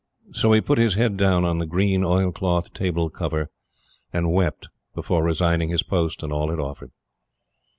So he put his head down on the green oil cloth table cover, and wept before resigning his post, and all it offered.